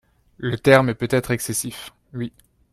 le terme est peut-être excessif, Oui